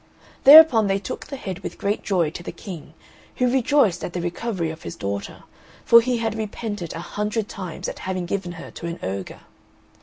Thereupon they took the head with great joy to the King, who rejoiced at the recovery of his daughter, for he had repented a hundred times at having given her to an ogre.